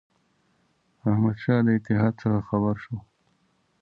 احمدشاه د اتحاد څخه خبر شو.